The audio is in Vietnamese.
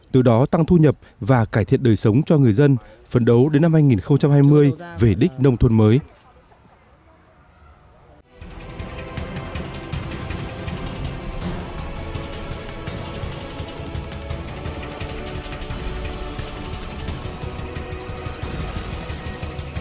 từ đó tăng thu nhập và cải thiện đời sống cho người dân phấn đấu đến năm hai nghìn hai mươi về đích nông thôn mới